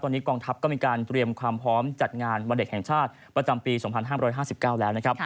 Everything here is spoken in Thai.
ตอนนี้กองทัพก็มีการเตรียมความพร้อมจัดงานวันเด็กแห่งชาติประจำปี๒๕๕๙แล้วนะครับ